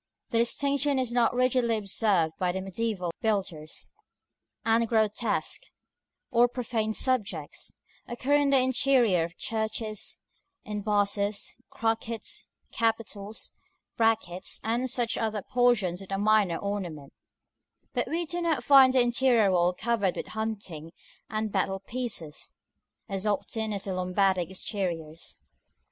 (The distinction is not rigidly observed by the mediæval builders, and grotesques, or profane subjects, occur in the interior of churches, in bosses, crockets, capitals, brackets, and such other portions of minor ornament: but we do not find the interior wall covered with hunting and battle pieces, as often the Lombardic exteriors.)